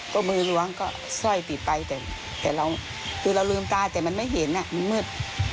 ก็มือล้วงก็เส้ปิดไปที่เรารุ่มตาแต่มันไม่เห็นน่ะมันมืด